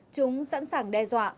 chúng sẵn sàng đe dọa